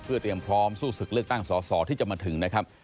เพื่อเตรียมพร้อมสู้ศึกเลือกตั้งสอสอที่จะมาถึงนะครับ